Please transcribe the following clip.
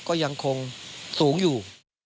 ก็ยังคงสูงอยู่